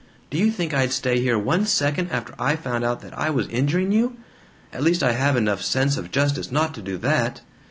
Do you think I'd stay here one second after I found out that I was injuring you? At least I have enough sense of justice not to do that."